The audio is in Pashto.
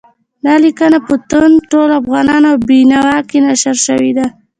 دا لیکنه په تاند، ټول افغان او بېنوا کې نشر شوې ده.